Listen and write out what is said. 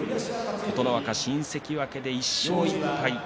琴ノ若新関脇で１勝１敗。